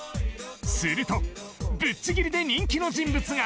するとぶっちぎりで人気の人物が。